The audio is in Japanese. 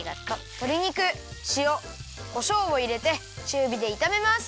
とり肉しおこしょうをいれてちゅうびでいためます。